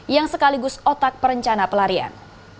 yang sekaligus otak perencana pelarian